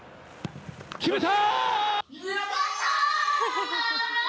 決めた！